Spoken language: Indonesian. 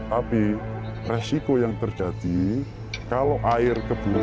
kalau kebakaran bisa sampai meninggal